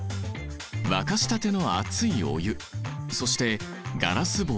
沸かしたての熱いお湯そしてガラス棒